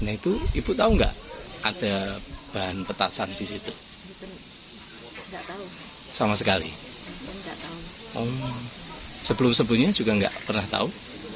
itu ibu tahu enggak ada bahan petasan di situ sama sekali sebelum sebelumnya juga enggak pernah tahu